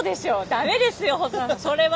だめですよそれは。